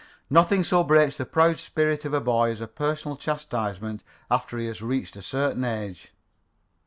Nothing so breaks the proud spirit of a boy as personal chastisement, after he has reached a certain age.